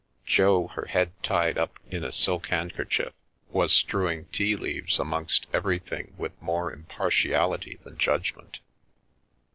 Jo, her head tied up in a silk handkerchief, was strewing tea leaves amongst The Milky Way everything with more impartiality than judgment.